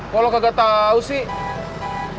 kok lo kagak tahu sih